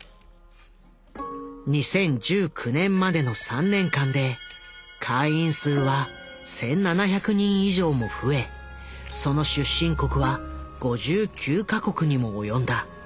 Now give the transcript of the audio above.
２０１９年までの３年間で会員数は１，７００人以上も増えその出身国は５９カ国にも及んだ。